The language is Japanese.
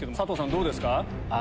どうですか？